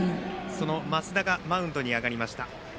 升田がマウンドに上がりました。